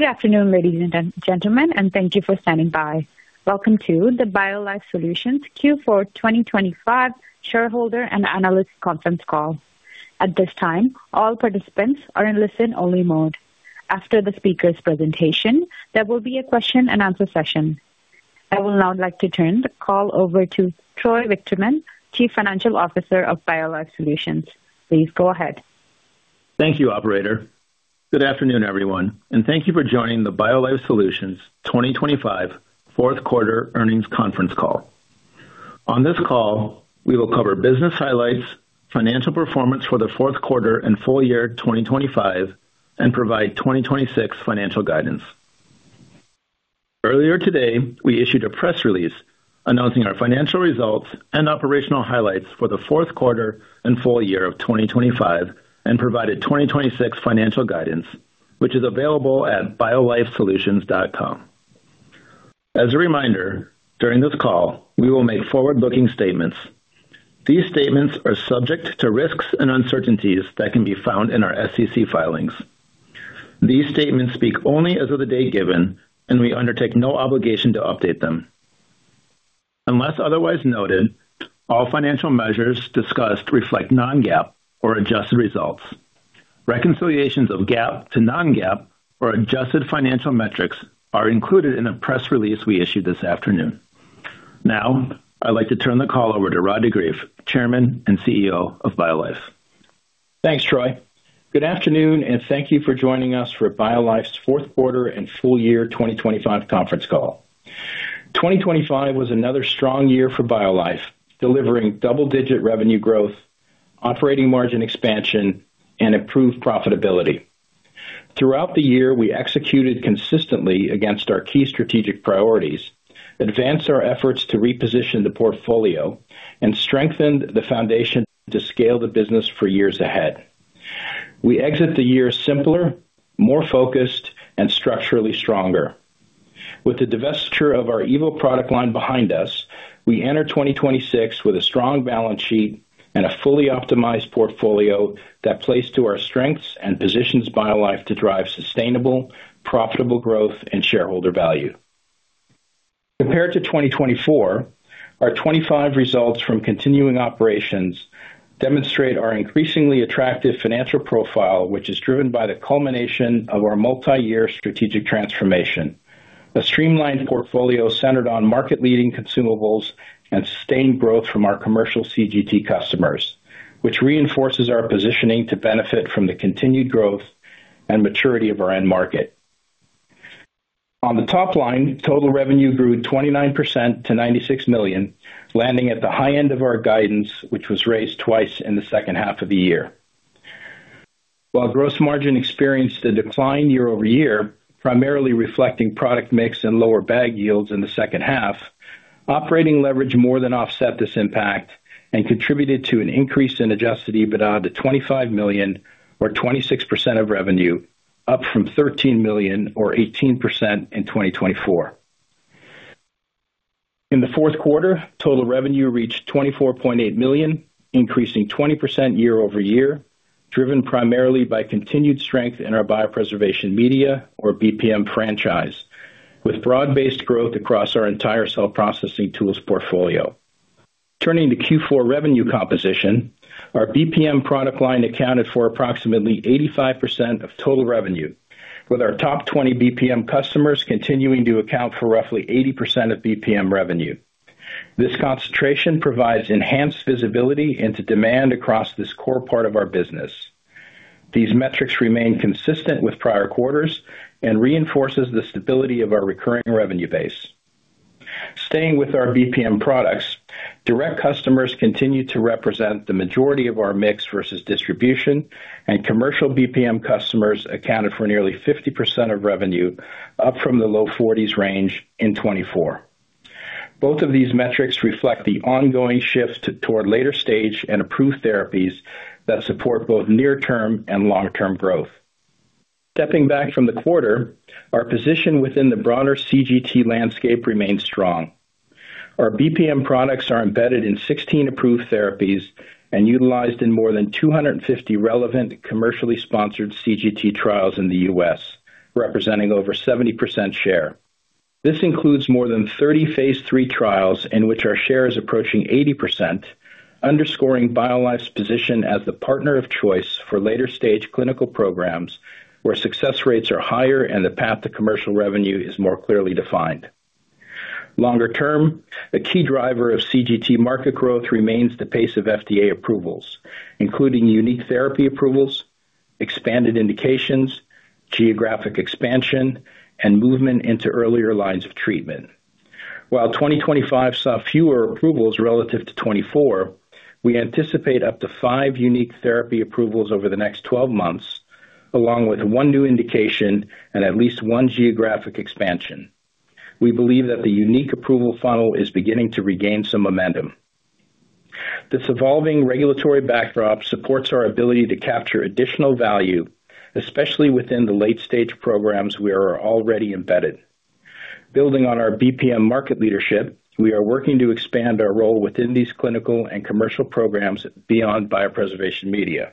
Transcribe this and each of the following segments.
Good afternoon, ladies and gentlemen, and thank you for standing by. Welcome to the BioLife Solutions Q4 2025 Shareholder and Analyst Conference Call. At this time, all participants are in listen-only mode. After the speaker's presentation, there will be a question-and-answer session. I would now like to turn the call over to Troy Wichterman, Chief Financial Officer of BioLife Solutions. Please go ahead. Thank you, operator. Good afternoon, everyone, and thank you for joining the BioLife Solutions 2025 fourth quarter earnings conference call. On this call, we will cover business highlights, financial performance for the fourth quarter and full year 2025, and provide 2026 financial guidance. Earlier today, we issued a press release announcing our financial results and operational highlights for the fourth quarter and full year of 2025 and provided 2026 financial guidance, which is available at biolifesolutions.com. As a reminder, during this call, we will make forward-looking statements. These statements are subject to risks and uncertainties that can be found in our SEC filings. These statements speak only as of the date given, and we undertake no obligation to update them. Unless otherwise noted, all financial measures discussed reflect non-GAAP or adjusted results. Reconciliations of GAAP to non-GAAP or adjusted financial metrics are included in a press release we issued this afternoon. Now, I'd like to turn the call over to Rod de Greef, Chairman and CEO of BioLife. Thanks, Troy. Good afternoon, and thank you for joining us for BioLife's fourth quarter and full year 2025 conference call. 2025 was another strong year for BioLife, delivering double-digit revenue growth, operating margin expansion, and improved profitability. Throughout the year, we executed consistently against our key strategic priorities, advanced our efforts to reposition the portfolio, and strengthened the foundation to scale the business for years ahead. We exit the year simpler, more focused, and structurally stronger. With the divestiture of our evo product line behind us, we enter 2026 with a strong balance sheet and a fully optimized portfolio that plays to our strengths and positions BioLife to drive sustainable, profitable growth and shareholder value. Compared to 2024, our 2025 results from continuing operations demonstrate our increasingly attractive financial profile, which is driven by the culmination of our multi-year strategic transformation, a streamlined portfolio centered on market-leading consumables and sustained growth from our commercial CGT customers, which reinforces our positioning to benefit from the continued growth and maturity of our end market. On the top line, total revenue grew 29% to $96 million, landing at the high end of our guidance, which was raised twice in the second half of the year. While gross margin experienced a decline year-over-year, primarily reflecting product mix and lower bag yields in the second half, operating leverage more than offset this impact and contributed to an increase in adjusted EBITDA to $25 million or 26% of revenue, up from $13 million or 18% in 2024. In the fourth quarter, total revenue reached $24.8 million, increasing 20% year-over-year, driven primarily by continued strength in our biopreservation media or BPM franchise, with broad-based growth across our entire cell processing tools portfolio. Turning to Q4 revenue composition, our BPM product line accounted for approximately 85% of total revenue, with our top 20 BPM customers continuing to account for roughly 80% of BPM revenue. This concentration provides enhanced visibility into demand across this core part of our business. These metrics remain consistent with prior quarters and reinforce the stability of our recurring revenue base. Staying with our BPM products, direct customers continue to represent the majority of our mix versus distribution, and commercial BPM customers accounted for nearly 50% of revenue, up from the low 40s range in 2024. Both of these metrics reflect the ongoing shift toward later stage and approved therapies that support both near-term and long-term growth. Stepping back from the quarter, our position within the broader CGT landscape remains strong. Our BPM products are embedded in 16 approved therapies and utilized in more than 250 relevant commercially sponsored CGT trials in the U.S., representing over 70% share. This includes more than 30 phase 3 trials in which our share is approaching 80%, underscoring BioLife's position as the partner of choice for later-stage clinical programs where success rates are higher and the path to commercial revenue is more clearly defined. Longer term, a key driver of CGT market growth remains the pace of FDA approvals, including unique therapy approvals, expanded indications, geographic expansion, and movement into earlier lines of treatment. While 2025 saw fewer approvals relative to 2024, we anticipate up to five unique therapy approvals over the next 12 months, 1 geographic expansion along with one new indication and at least one geographic expansion. We believe that the unique approval funnel is beginning to regain some momentum. This evolving regulatory backdrop supports our ability to capture additional value, especially within the late-stage programs we are already embedded. Building on our BPM market leadership, we are working to expand our role within these clinical and commercial programs beyond biopreservation media.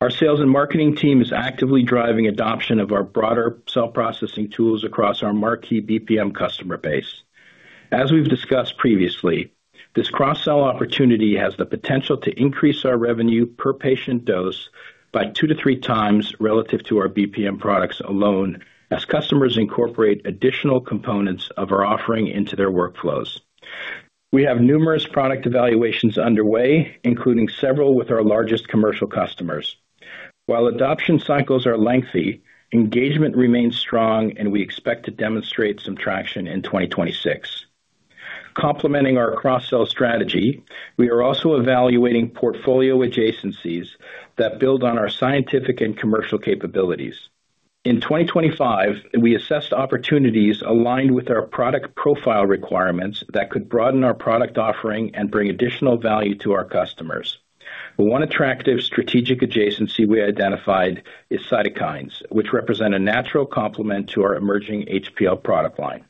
Our sales and marketing team is actively driving adoption of our broader cell processing tools across our marquee BPM customer base. As we've discussed previously, this cross-sell opportunity has the potential to increase our revenue per patient dose by 2 to 3 times relative to our BPM products alone, as customers incorporate additional components of our offering into their workflows. We have numerous product evaluations underway, including several with our largest commercial customers. While adoption cycles are lengthy, engagement remains strong, and we expect to demonstrate some traction in 2026. Complementing our cross-sell strategy, we are also evaluating portfolio adjacencies that build on our scientific and commercial capabilities. In 2025, we assessed opportunities aligned with our product profile requirements that could broaden our product offering and bring additional value to our customers. One attractive strategic adjacency we identified is cytokines, which represent a natural complement to our emerging hPL product line.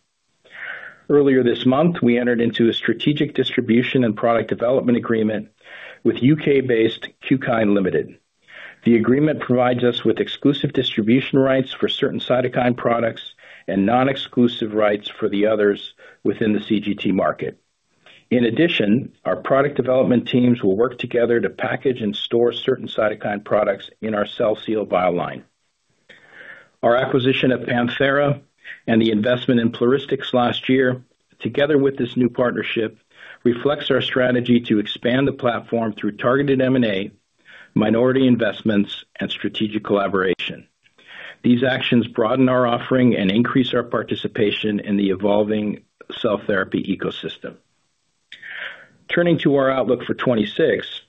Earlier this month, we entered into a strategic distribution and product development agreement with UK-based Qkine Limited. The agreement provides us with exclusive distribution rights for certain cytokine products and non-exclusive rights for the others within the CGT market. In addition, our product development teams will work together to package and store certain cytokine products in our CellSeal vial line. Our acquisition of PanTHERA and the investment in Pluristyx last year, together with this new partnership, reflects our strategy to expand the platform through targeted M&A, minority investments, and strategic collaboration. These actions broaden our offering and increase our participation in the evolving cell therapy ecosystem. Turning to our outlook for 2026,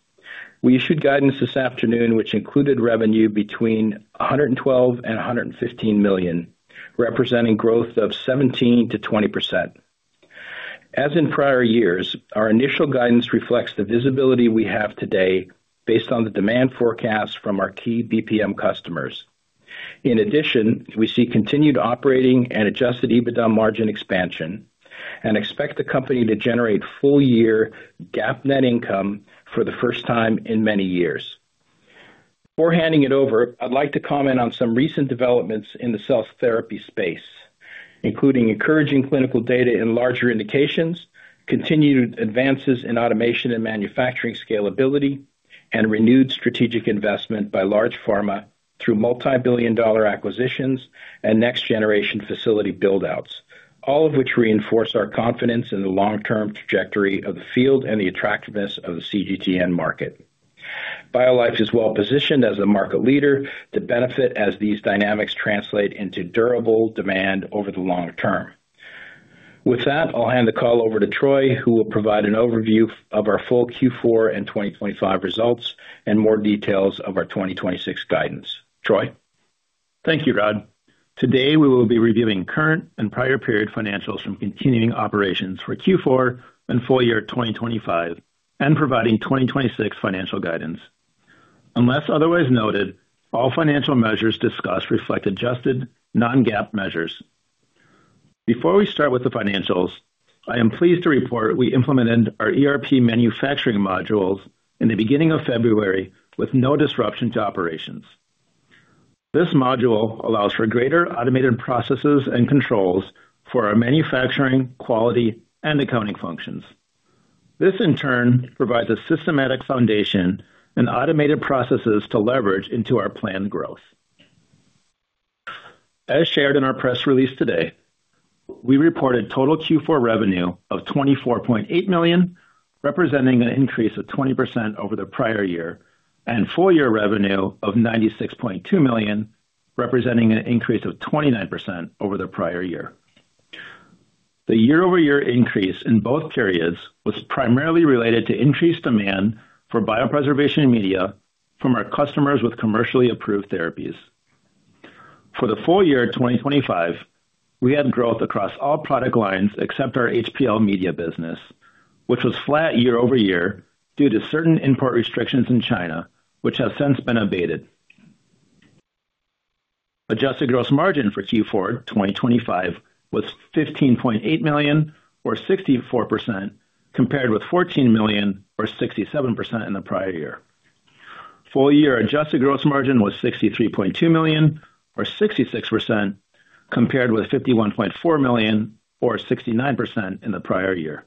we issued guidance this afternoon, which included revenue between $112 million and $115 million, representing growth of 17%-20%. As in prior years, our initial guidance reflects the visibility we have today based on the demand forecast from our key BPM customers. In addition, we see continued operating and adjusted EBITDA margin expansion and expect the company to generate full year GAAP net income for the first time in many years. Before handing it over, I'd like to comment on some recent developments in the cell therapy space, including encouraging clinical data in larger indications, continued advances in automation and manufacturing scalability, and renewed strategic investment by large pharma through multibillion-dollar acquisitions and next-generation facility build-outs, all of which reinforce our confidence in the long-term trajectory of the field and the attractiveness of the CGT market. BioLife is well positioned as a market leader to benefit as these dynamics translate into durable demand over the long term. With that, I'll hand the call over to Troy, who will provide an overview of our full Q4 and 2025 results and more details of our 2026 guidance. Troy? Thank you, Rod. Today, we will be reviewing current and prior period financials from continuing operations for Q4 and full year 2025 and providing 2026 financial guidance. Unless otherwise noted, all financial measures discussed reflect adjusted non-GAAP measures. Before we start with the financials, I am pleased to report we implemented our ERP manufacturing modules in the beginning of February with no disruption to operations. This module allows for greater automated processes and controls for our manufacturing, quality, and accounting functions. This, in turn, provides a systematic foundation and automated processes to leverage into our planned growth. As shared in our press release today, we reported total Q4 revenue of $24.8 million, representing an increase of 20% over the prior year, and full year revenue of $96.2 million, representing an increase of 29% over the prior year. The year-over-year increase in both periods was primarily related to increased demand for biopreservation media from our customers with commercially approved therapies. For the full year 2025, we had growth across all product lines except our hPL media business, which was flat year-over-year due to certain import restrictions in China, which have since been abated. Adjusted gross margin for Q4 2025 was $15.8 million, or 64%, compared with $14 million or 67% in the prior year. Full year adjusted gross margin was $63.2 million, or 66%, compared with $51.4 million or 69% in the prior year.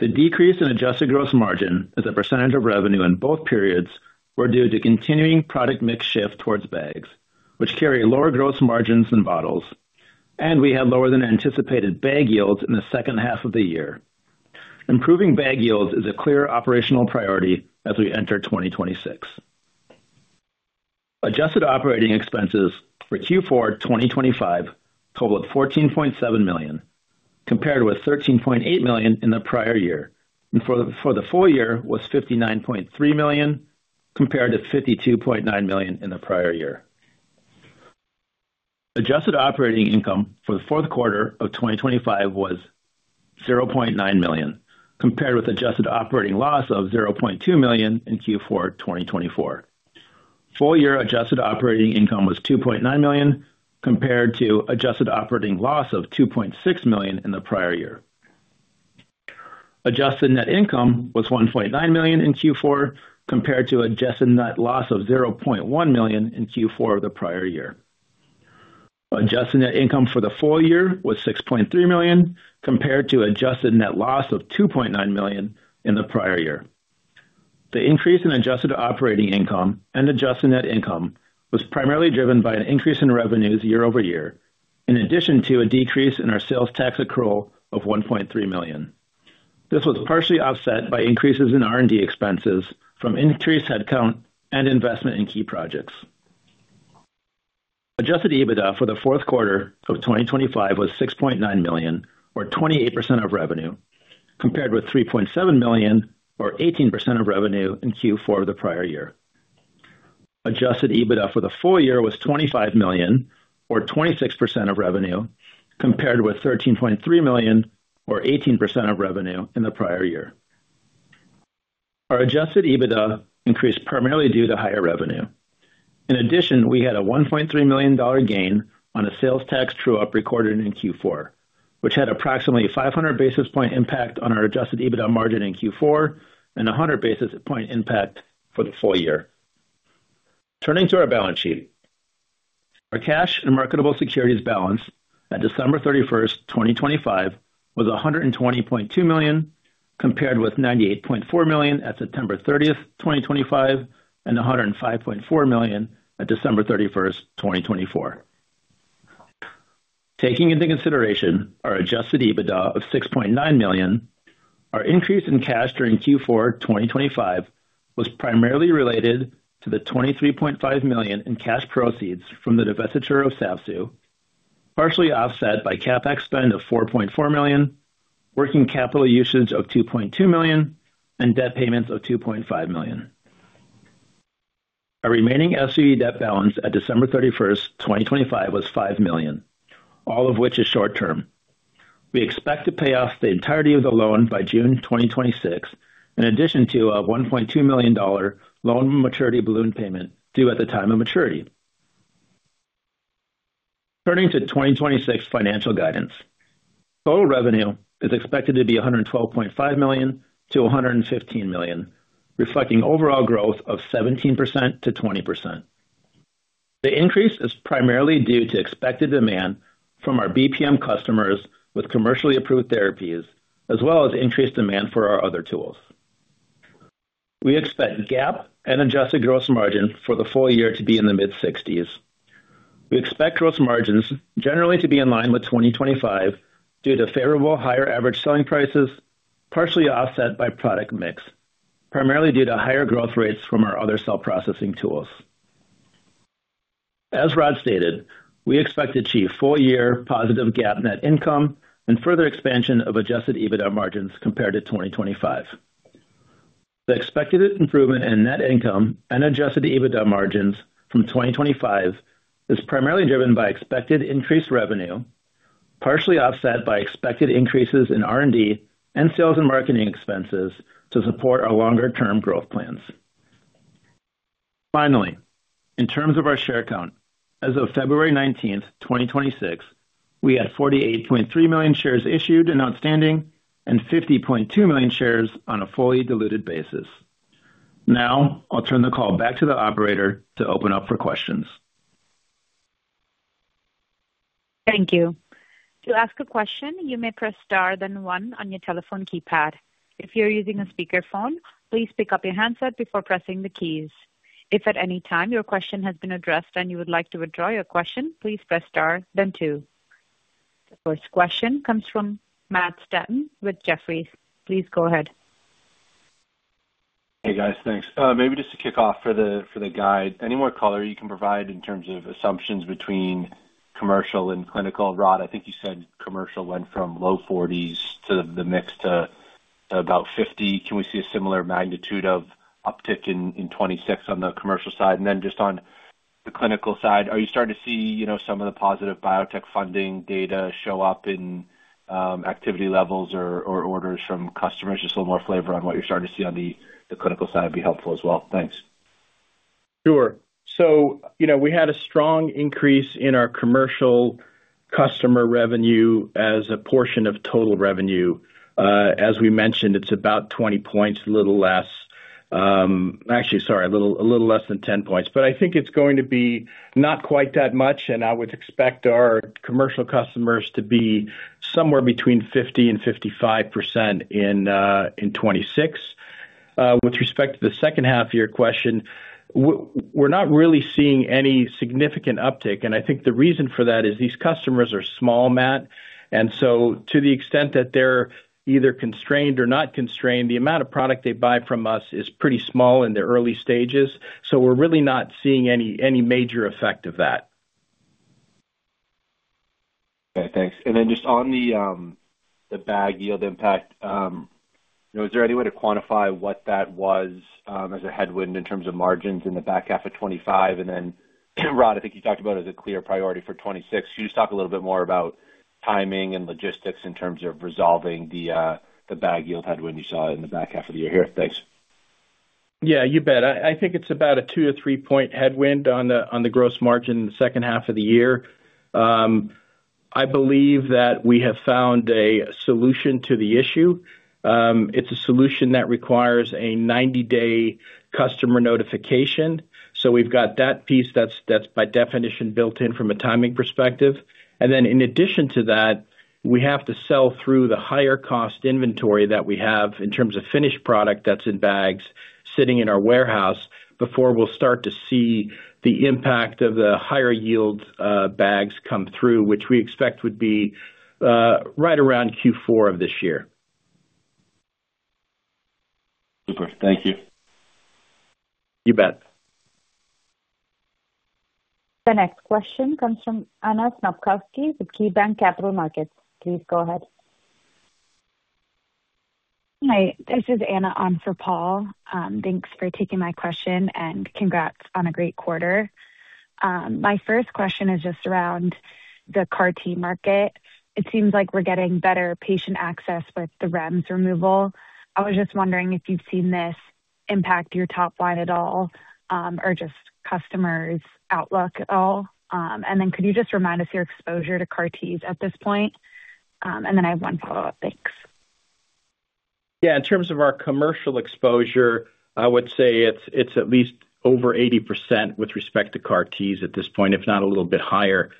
The decrease in adjusted gross margin as a percentage of revenue in both periods were due to continuing product mix shift towards bags, which carry lower gross margins than bottles, and we had lower than anticipated bag yields in the second half of the year. Improving bag yields is a clear operational priority as we enter 2026. Adjusted operating expenses for Q4 2025 totaled $14.7 million, compared with $13.8 million in the prior year, and for the full year was $59.3 million, compared to $52.9 million in the prior year. Adjusted operating income for the fourth quarter of 2025 was $0.9 million, compared with adjusted operating loss of $0.2 million in Q4 2024. Full year adjusted operating income was $2.9 million, compared to adjusted operating loss of $2.6 million in the prior year. Adjusted net income was $1.9 million in Q4, compared to adjusted net loss of $0.1 million in Q4 of the prior year. Adjusted net income for the full year was $6.3 million, compared to adjusted net loss of $2.9 million in the prior year. The increase in adjusted operating income and adjusted net income was primarily driven by an increase in revenues year-over-year, in addition to a decrease in our sales tax accrual of $1.3 million. This was partially offset by increases in R&D expenses from increased headcount and investment in key projects. Adjusted EBITDA for the fourth quarter of 2025 was $6.9 million, or 28% of revenue, compared with $3.7 million or 18% of revenue in Q4 of the prior year. Adjusted EBITDA for the full year was $25 million or 26% of revenue, compared with $13.3 million or 18% of revenue in the prior year. Our Adjusted EBITDA increased primarily due to higher revenue. In addition, we had a $1.3 million gain on a sales tax true-up recorded in Q4, which had an approximately 500-basis-point impact on our adjusted EBITDA margin in Q4 and a 100-basis-point impact for the full year. Turning to our balance sheet. Our cash and marketable securities balance at December 31, 2025 was $120.2 million, compared with $98.4 million at September 30, 2025 and $105.4 million at December 31, 2024. Taking into consideration our adjusted EBITDA of $6.9 million, our increase in cash during Q4 2025 was primarily related to the $23.5 million in cash proceeds from the divestiture of SAVSU, partially offset by CapEx spend of $4.4 million, working capital usage of $2.2 million, and debt payments of $2.5 million. Our remaining SBA debt balance at December 31, 2025 was $5 million, all of which is short term. We expect to pay off the entirety of the loan by June 2026, in addition to a $1.2 million loan maturity balloon payment due at the time of maturity. Turning to 2026 financial guidance. Total revenue is expected to be $112.5 million to $115 million, reflecting overall growth of 17%-20%. The increase is primarily due to expected demand from our BPM customers with commercially approved therapies as well as increased demand for our other tools. We expect GAAP and adjusted gross margin for the full year to be in the mid-sixties. We expect gross margins generally to be in line with 2025 due to favorable higher average selling prices, partially offset by product mix, primarily due to higher growth rates from our other cell processing tools. As Rod stated, we expect to achieve full year positive GAAP net income and further expansion of adjusted EBITDA margins compared to 2025. The expected improvement in net income and adjusted EBITDA margins from 2025 is primarily driven by expected increased revenue, partially offset by expected increases in R&D and sales and marketing expenses to support our longer-term growth plans. Finally, in terms of our share count, as of February 19th, 2026, we had 48.3 million shares issued and outstanding and 50.2 million shares on a fully diluted basis. Now I'll turn the call back to the operator to open up for questions. Thank you. To ask a question, you may press Star then One on your telephone keypad. If you're using a speakerphone, please pick up your handset before pressing the keys. If at any time your question has been addressed and you would like to withdraw your question, please press Star then Two. The first question comes from Matt Stanton with Jefferies. Please go ahead. Hey, guys. Thanks. Maybe just to kick off for the, for the guide, any more color you can provide in terms of assumptions between commercial and clinical. Rod, I think you said commercial went from low 40s to the mix to about 50. Can we see a similar magnitude of uptick in 2026 on the commercial side? Just on the clinical side, are you starting to see, you know, some of the positive biotech funding data show up in activity levels or orders from customers? Just a little more flavor on what you're starting to see on the clinical side would be helpful as well. Thanks. Sure. you know, we had a strong increase in our commercial customer revenue as a portion of total revenue. as we mentioned, it's about 20 points, a little less. actually, sorry, a little less than 10 points, but I think it's going to be not quite that much. I would expect our commercial customers to be somewhere between 50%-55% in 2026. with respect to the second half of your question, we're not really seeing any significant uptick. I think the reason for that is these customers are small, Matt, and so to the extent that they're either constrained or not constrained, the amount of product they buy from us is pretty small in their early stages. we're really not seeing any major effect of that. Okay, thanks. Just on the bag yield impact, you know, is there any way to quantify what that was as a headwind in terms of margins in the back half of 2025? Rod, I think you talked about it as a clear priority for 2026. Can you just talk a little bit more about timing and logistics in terms of resolving the bag yield headwind you saw in the back half of the year? Thanks. Yeah, you bet. I think it's about a 2–3-point headwind on the gross margin in the second half of the year. I believe that we have found a solution to the issue. It's a solution that requires a 90-day customer notification. We've got that piece that's, by definition, built in from a timing perspective. In addition to that, we have to sell through the higher cost inventory that we have in terms of finished product that's in bags sitting in our warehouse before we'll start to see the impact of the higher yield bags come through, which we expect would be right around Q4 of this year. Super. Thank you. You bet. The next question comes from Anna Snopkowski with KeyBanc Capital Markets. Please go ahead. Hi, this is Anna on for Paul. Thanks for taking my question, and congrats on a great quarter. My first question is just around the CAR-T market. It seems like we're getting better patient access with the REMS removal. I was just wondering if you've seen this impact your top line at all, or just customers' outlook at all. Could you just remind us your exposure to CAR-Ts at this point? I have one follow-up. Thanks. Yeah, in terms of our commercial exposure, I would say it's at least over 80% with respect to CAR-Ts at this point, if not a little bit higher.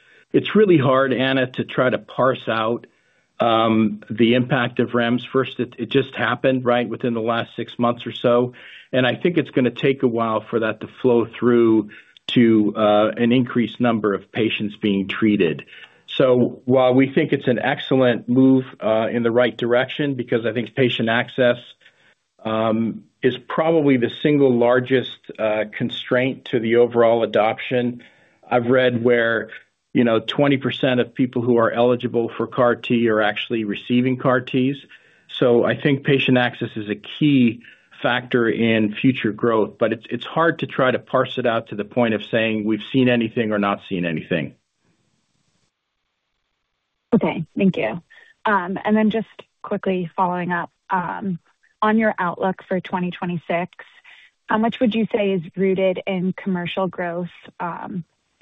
It just happened, right, within the last 6 months or so, and I think it's going to take a while for that to flow through to an increased number of patients being treated. While we think it's an excellent move in the right direction, because I think patient access is probably the single largest constraint to the overall adoption. I've read where, you know, 20% of people who are eligible for CAR T are actually receiving CAR-Ts, so I think patient access is a key factor in future growth. It's hard to try to parse it out to the point of saying we've seen anything or not seen anything. Okay. Thank you. Just quickly following up on your outlook for 2026, how much would you say is rooted in commercial growth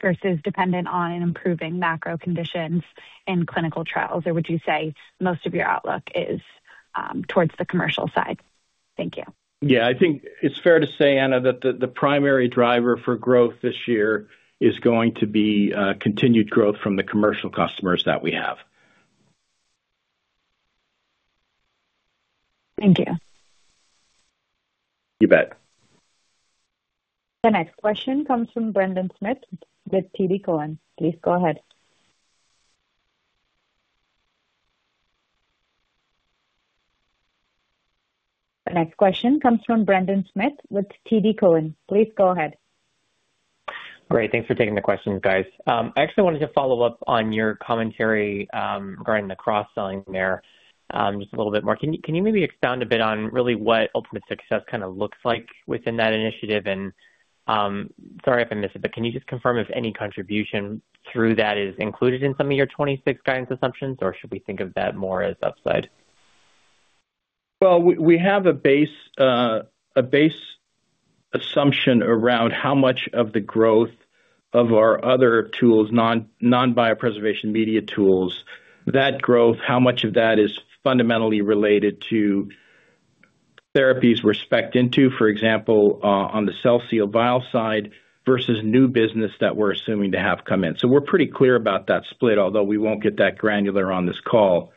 versus dependent on improving macro conditions in clinical trials? Would you say most of your outlook is towards the commercial side? Thank you. I think it's fair to say, Anna, that the primary driver for growth this year is going to be continued growth from the commercial customers that we have. Thank you. You bet. The next question comes from Brendan Smith with TD Cowen. Please go ahead. Great. Thanks for taking the questions, guys. I actually wanted to follow up on your commentary regarding the cross-selling there, just a little bit more. Can you maybe expound a bit on really what ultimate success kind of looks like within that initiative? Sorry if I missed it, but can you just confirm if any contribution through that is included in some of your 26 guidance assumptions, or should we think of that more as upside? Well, we have a base assumption around how much of the growth of our other tools, non-biopreservation media tools, that growth, how much of that is fundamentally related to therapies we're spec'd into, for example, on the CellSeal vial side, versus new business that we're assuming to have come in. We're pretty clear about that split, although we won't get that granular on this call.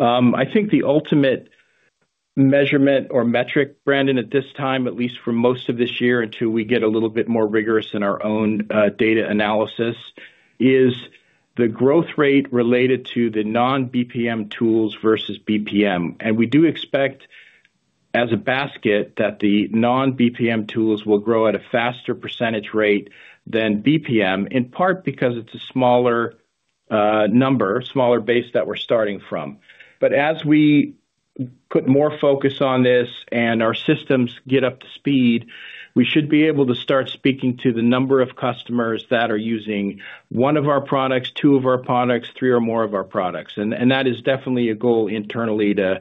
I think the ultimate measurement or metric, Brendan, at this time, at least for most of this year, until we get a little bit more rigorous in our own data analysis, is the growth rate related to the non-BPM tools versus BPM. We do expect, as a basket, that the non-BPM tools will grow at a faster percentage rate than BPM, in part because it's a smaller number, smaller base that we're starting from. As we put more focus on this and our systems get up to speed, we should be able to start speaking to the number of customers that are using one of our products, two of our products, three or more of our products. That is definitely a goal internally, to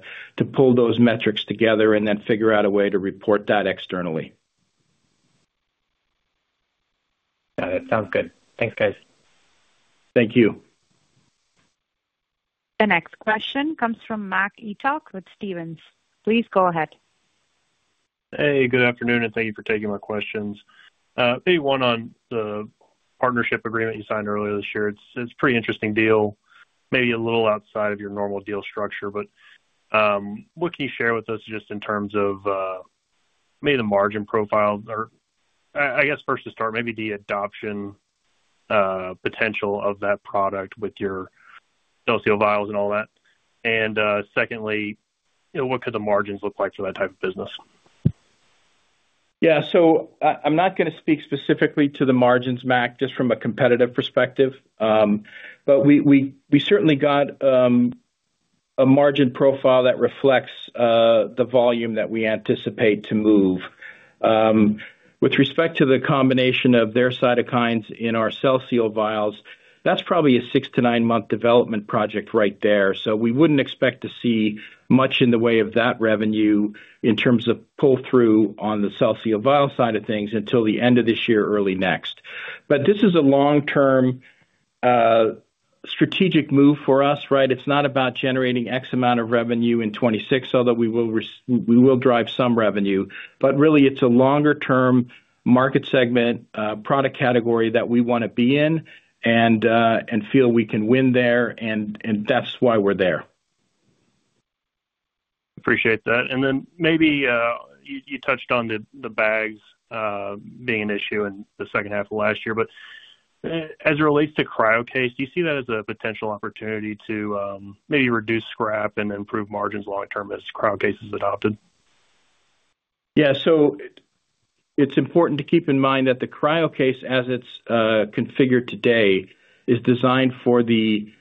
pull those metrics together and then figure out a way to report that externally. Yeah, that sounds good. Thanks, guys. Thank you. The next question comes from Macason Etok with Stephens. Please go ahead. Hey, good afternoon, and thank you for taking my questions. Maybe one on the partnership agreement you signed earlier this year. It's a pretty interesting deal, maybe a little outside of your normal deal structure, but what can you share with us just in terms of maybe the margin profile or I guess first to start, maybe the adoption potential of that product with your CellSeal vials and all that? Secondly, you know, what could the margins look like for that type of business? I'm not going to speak specifically to the margins, Mac, just from a competitive perspective. We certainly got a margin profile that reflects the volume that we anticipate to move. With respect to the combination of their cytokines in our CellSeal vials, that's probably a 6–9-month development project right there. We wouldn't expect to see much in the way of that revenue in terms of pull-through on the CellSeal vial side of things until the end of this year or early next. This is a long-term strategic move for us, right? It's not about generating X amount of revenue in 2026, although we will drive some revenue. really, it's a longer-term market segment, product category that we wanna be in and feel we can win there, and that's why we're there. Appreciate that. Maybe you touched on the bags being an issue in the second half of last year, As it relates to CryoCase, do you see that as a potential opportunity to maybe reduce scrap and improve margins long term as CryoCase is adopted? It's important to keep in mind that the CryoCase, as it's configured today, is designed for the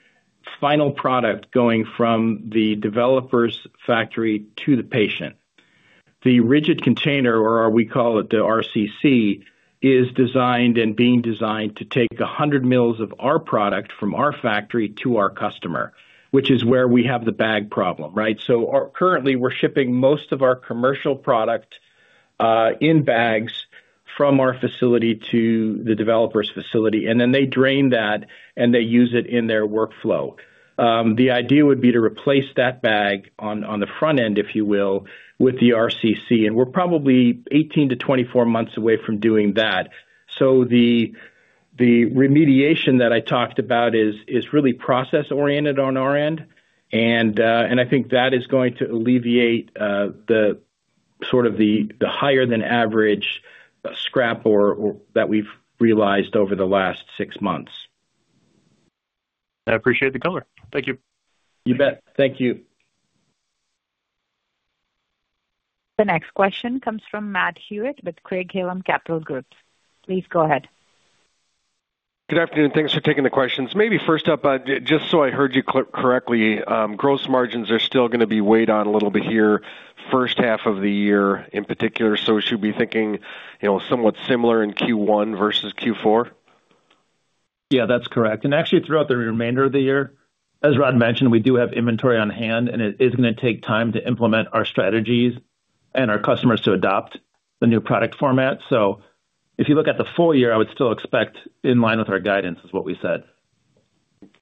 final product going from the developer's factory to the patient. The rigid container, or we call it the RCC, is designed and being designed to take 100 mL of our product from our factory to our customer, which is where we have the bag problem, right? Currently, we're shipping most of our commercial product in bags from our facility to the developer's facility, and then they drain that, and they use it in their workflow. The idea would be to replace that bag on the front end, if you will, with the RCC, and we're probably 18–24 months away from doing that. The remediation that I talked about is really process-oriented on our end, and I think that is going to alleviate the sort of the higher than average scrap or that we've realized over the last six months. I appreciate the color. Thank you. You bet. Thank you. The next question comes from Matt Hewitt with Craig-Hallum Capital Group. Please go ahead. Good afternoon. Thanks for taking the questions. Maybe first up, just so I heard you correctly, gross margins are still going to be weighed on a little bit here, first half of the year in particular. We should be thinking, you know, somewhat similar in Q1 versus Q4? Yeah, that's correct. Actually, throughout the remainder of the year, as Rod mentioned, we do have inventory on hand, and it is going to take time to implement our strategies and our customers to adopt the new product format. If you look at the full year, I would still expect in line with our guidance, is what we said.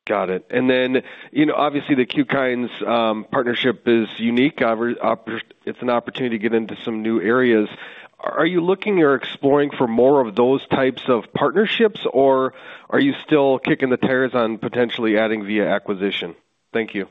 Got it. You know, obviously, the Qkine partnership is unique. It's an opportunity to get into some new areas. Are you looking or exploring for more of those types of partnerships, or are you still kicking the tires on potentially adding via acquisition? Thank you.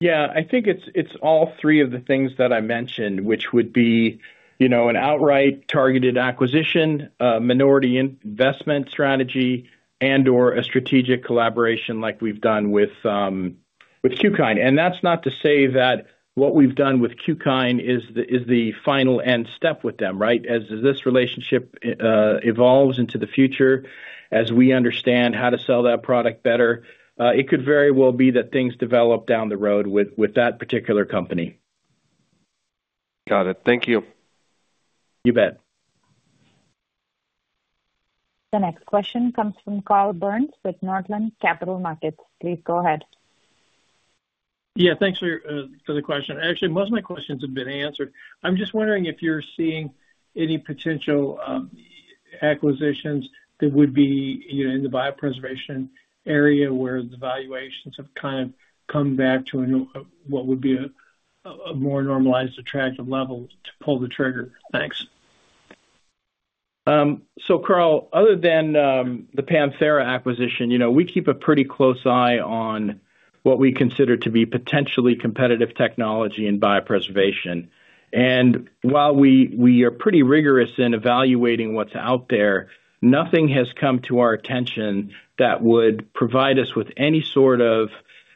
Yeah, I think it's all three of the things that I mentioned, which would be, you know, an outright targeted acquisition, a minority investment strategy, and/or a strategic collaboration like we've done with Qkine. That's not to say that what we've done with Qkine is the final end step with them, right? As this relationship evolves into the future, as we understand how to sell that product better, it could very well be that things develop down the road with that particular company. Got it. Thank you. You bet. The next question comes from Carl Byrnes with Northland Capital Markets. Please go ahead. Yeah, thanks for the question. Actually, most of my questions have been answered. I'm just wondering if you're seeing any potential acquisitions that would be, you know, in the biopreservation area, where the valuations have kind of come back to a, what would be a more normalized, attractive level to pull the trigger. Thanks. Carl, other than, the PanTHERA acquisition, you know, we keep a pretty close eye on what we consider to be potentially competitive technology in biopreservation. While we are pretty rigorous in evaluating what's out there, nothing has come to our attention that would provide us with any sort of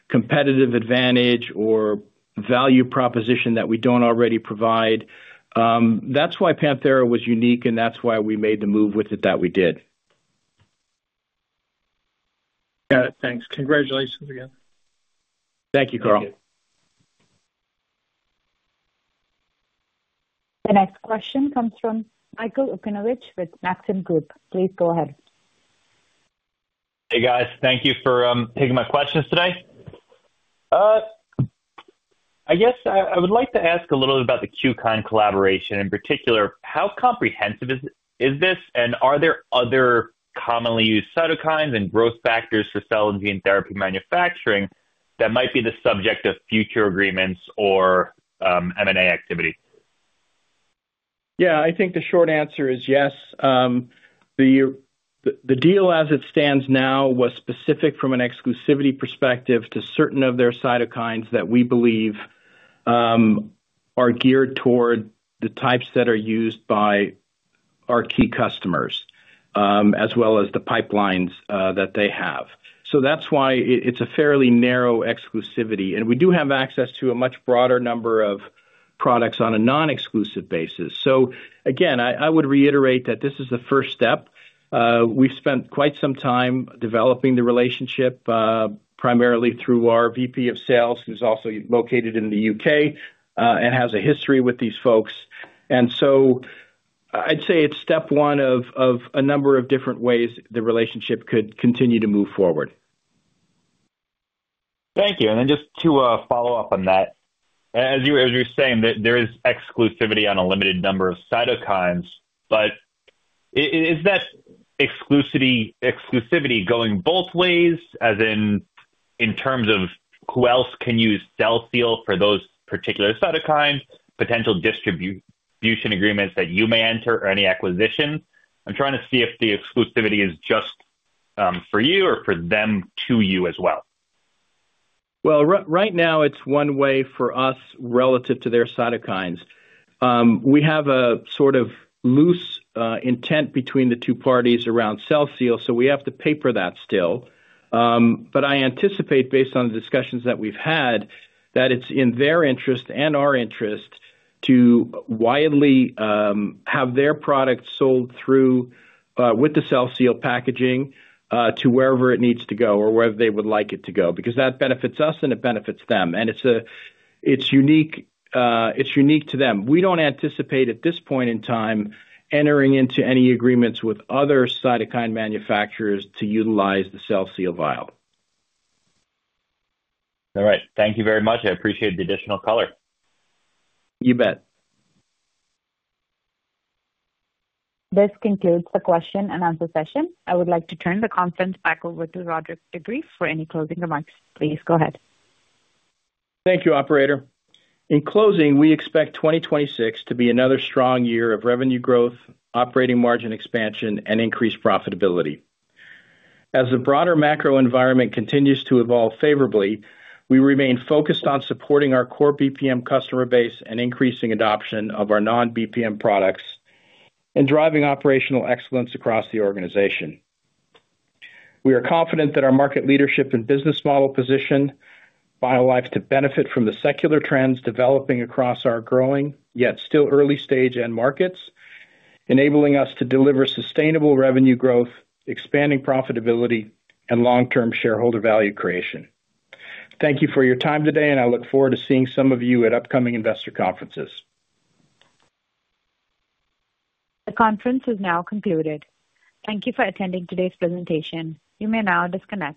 competitive advantage or value proposition that we don't already provide. That's why PanTHERA was unique, and that's why we made the move with it that we did. Got it. Thanks. Congratulations again. Thank you. The next question comes from Michael Okunewitch with Maxim Group. Please go ahead. Hey, guys. Thank you for taking my questions today. I guess I would like to ask a little bit about the Qkine collaboration. In particular, how comprehensive is this? Are there other commonly used cytokines and growth factors for cell and gene therapy manufacturing that might be the subject of future agreements or M&A activity? Yeah, I think the short answer is yes. The deal as it stands now, was specific from an exclusivity perspective to certain of their cytokines that we believe are geared toward the types that are used by Our key customers, as well as the pipelines that they have. That's why it's a fairly narrow exclusivity, and we do have access to a much broader number of products on a non-exclusive basis. Again, I would reiterate that this is the first step. We've spent quite some time developing the relationship, primarily through our VP of sales, who's also located in the UK, and has a history with these folks. I'd say it's step one of a number of different ways the relationship could continue to move forward. Thank you. Then just to follow up on that. As you, as you're saying, there is exclusivity on a limited number of cytokines. Is that exclusivity going both ways, as in terms of who else can use CellSeal for those particular cytokines, potential distribution agreements that you may enter or any acquisitions? I'm trying to see if the exclusivity is just for you or for them to you as well. Right now it's one way for us relative to their cytokines. We have a sort of loose intent between the two parties around CellSeal, so we have to paper that still. I anticipate based on the discussions that we've had, that it's in their interest and our interest to widely have their product sold through with the CellSeal packaging to wherever it needs to go or wherever they would like it to go, because that benefits us and it benefits them. It's unique, it's unique to them. We don't anticipate at this point in time entering into any agreements with other cytokine manufacturers to utilize the CellSeal vial. All right. Thank you very much. I appreciate the additional color. You bet. This concludes the question and answer session. I would like to turn the conference back over to Roderick de Greef for any closing remarks. Please go ahead. Thank you, operator. In closing, we expect 2026 to be another strong year of revenue growth, operating margin expansion and increased profitability. As the broader macro environment continues to evolve favorably, we remain focused on supporting our core BPM customer base and increasing adoption of our non-BPM products and driving operational excellence across the organization. We are confident that our market leadership and business model position BioLife to benefit from the secular trends developing across our growing, yet still early-stage end markets, enabling us to deliver sustainable revenue growth, expanding profitability and long-term shareholder value creation. Thank you for your time today, and I look forward to seeing some of you at upcoming investor conferences. The conference is now concluded. Thank you for attending today's presentation. You may now disconnect.